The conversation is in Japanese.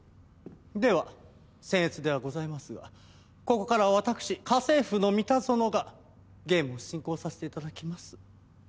では僭越ではございますがここからはわたくし家政夫の三田園がゲームを進行させて頂きます。